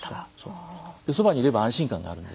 そばにいれば安心感があるので。